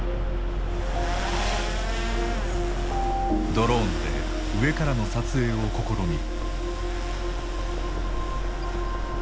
ドローンで上からの撮影を試みる。